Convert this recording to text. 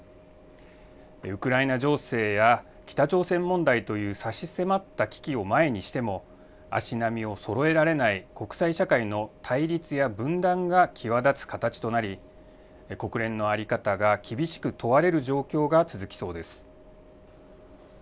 ウクライナ情勢や北朝鮮問題という差し迫った危機を前にしても、足並みをそろえられない国際社会の対立や分断が際立つ形となり、国連の在り方が厳しく問われる状況が続きそうです。